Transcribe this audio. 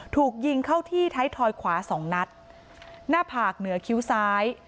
ถูกยิงเข้าที่ท้ายทอยขวาสองนัดหน้าผากเหนือคิ้วซ้าย